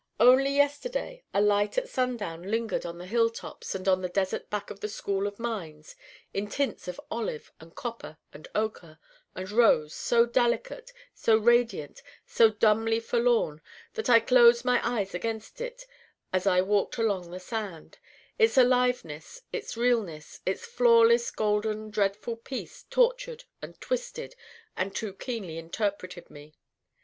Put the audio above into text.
Only yesterday a light at sundown lingered on the hill tops and on the desert back of the School of Mines in tints of Olive and Copper and Ochre and Rose so delicate, so radiant, so dumbly forlorn that I closed my eyes against it all as I walked along the sand: its aliveness, its realness, its flawless golden dreadful peace tortured and twisted and too keenly interpreted me.